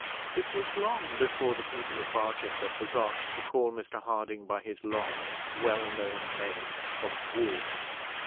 It was long before the people of Barchester forgot to call Mr Harding by his long well known name of Warden.